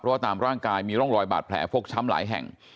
ว่าตามร่างกายมีร่องรอยบาดแผลฟกช้ำหลายแห่ง